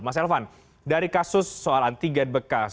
mas elvan dari kasus soalan tiga bekas